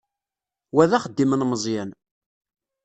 Wa d axeddim n Meẓyan.